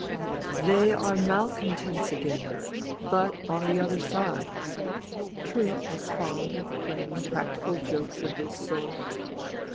" They are malcontents again — but on the other side ! Truth is fond of playing practical jokes of this sort.